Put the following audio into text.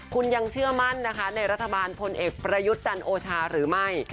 คุณยังเชื่อมั่นนะคะในรัฐบาลพลเอกประยุทธ์จันทร์โอชาหรือไม่